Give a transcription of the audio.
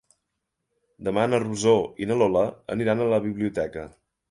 Demà na Rosó i na Lola aniran a la biblioteca.